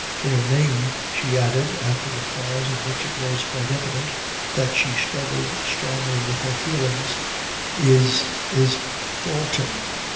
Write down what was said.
Their name," she added, after a pause in which it was quite evident that she struggled strongly with her feelings, "is is Dal ton."